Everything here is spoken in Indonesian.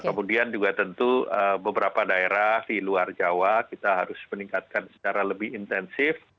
kemudian juga tentu beberapa daerah di luar jawa kita harus meningkatkan secara lebih intensif